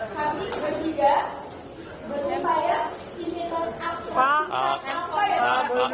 kami bersiga bersimpaya ini menangkap kita